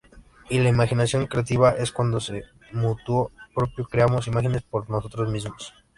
Y la imaginación creativa es cuando de motu propio creamos imágenes por nosotros mismos.